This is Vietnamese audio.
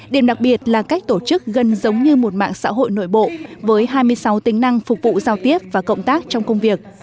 điểm đặc biệt là cách tổ chức gần giống như một mạng xã hội nội bộ với hai mươi sáu tính năng phục vụ giao tiếp và cộng tác trong công việc